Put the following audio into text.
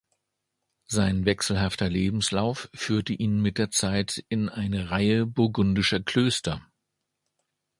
Sein wechselhafter Lebenslauf führte ihn mit der Zeit in eine Reihe burgundischer Klöster.